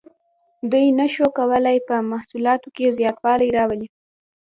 دوی نشو کولی په محصولاتو کې زیاتوالی راولي.